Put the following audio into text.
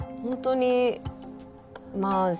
本当にまあ